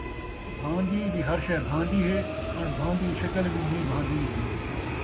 بھاندی دی ہر شے بھاندی ہے، اݨ بھاندی دی شکل وی نئیں بھاندی